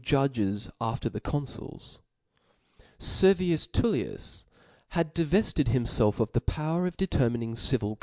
^ judges after the confiils. Servius TuUius had di '' vefted himfclf of the power of determining of civil.